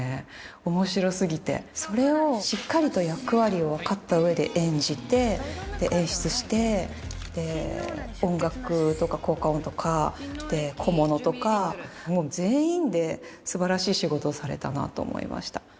おもしろすぎてそれをしっかりと役割をわかった上で演じて演出して音楽とか効果音とか小物とかもう全員ですばらしい仕事をされたなと思いました